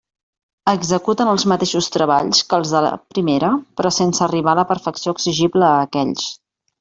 Executen els mateixos treballs que els de primera, però sense arribar a la perfecció exigible a aquells.